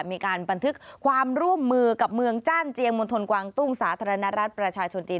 มีการบันทึกความร่วมมือกับเมืองจ้านเจียงมณฑลกวางตุ้งสาธารณรัฐประชาชนจีน